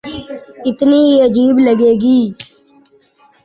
اتنی ہی عجیب لگے گی۔